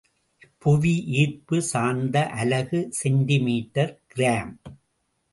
புவி ஈர்ப்பு சார்ந்த அலகு செண்டிமீட்டர் கிராம்.